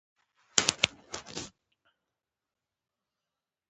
هغه څوکۍ زما ده.